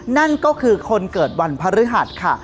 นั่นก็คือคนเกิดวันพฤหัสค่ะ